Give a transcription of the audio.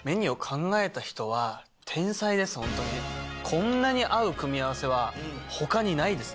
こんなに合う組み合わせ他にないですね。